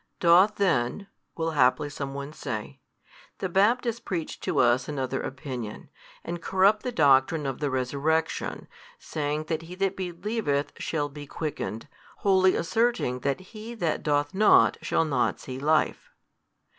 Doth then (will haply some one say) the Baptist preach to us another opinion, and corrupt the doctrine of the resurrection, saying that he that believeth shall be quickened, wholly asserting that he that doth not shall not see life?